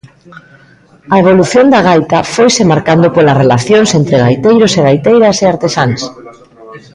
A evolución da gaita foise marcando polas relacións entre gaiteiros e gaiteiras e artesáns.